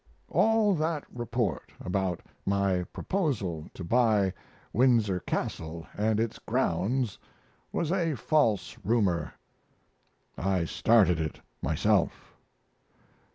All that report about my proposal to buy Windsor Castle and its grounds was a false rumor. I started it myself.